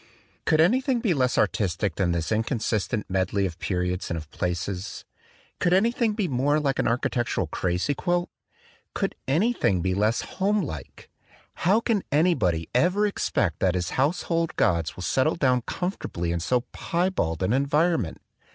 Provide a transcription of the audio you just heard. Could anything be less artistic than this in consistent medley of periods and of places? Could anything be more like an architectural crazy quilt? Could anything be less home like? How can anybody ever expect that his 48 THE DWELLING OF A DAY DREAM household gods will settle down comfortably in so piebald an environment?